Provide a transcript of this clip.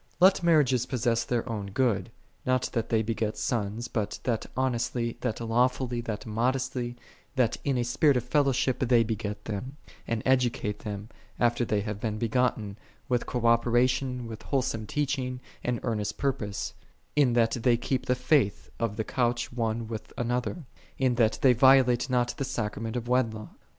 12. Let marriages possess their own good, not that they beget sons, but that honestly, that lawfully, that modestly, that in a spirit of fellowship they beget them, and educate them, after they have been begotten, with cooperation, with wholesome teaching, and earnest purpose: in that they keep the faith of the couch one with another; in that they violate not the sacrament of wedlock.